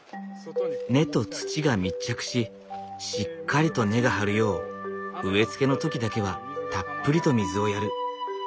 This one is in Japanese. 根と土が密着ししっかりと根が張るよう植え付けの時だけはたっぷりと水をやる。